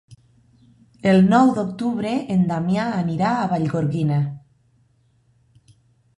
El nou d'octubre en Damià anirà a Vallgorguina.